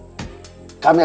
bapak bisa berubah sikap